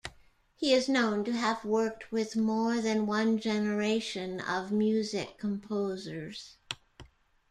He is known to have worked with more than one generation of music composers.